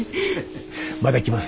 また来ます。